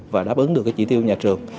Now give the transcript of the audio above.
và đáp ứng được chỉ tiêu nhà trường